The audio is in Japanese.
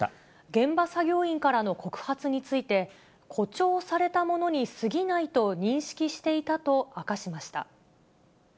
現場作業員からの告発について、誇張されたものにすぎないと認識していたと明かしました。